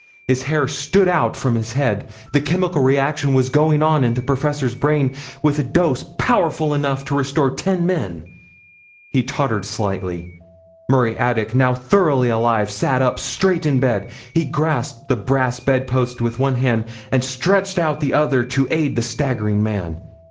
His hair stood out from his head. The chemical reaction was going on in the professor's brain, with a dose powerful enough to restore ten men. He tottered slightly. Murray Attic, now thoroughly alive, sat up straight in bed. He grasped the brass bed post with one hand and stretched out the other to aid the staggering man.